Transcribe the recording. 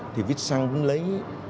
thì vít săn cũng lấy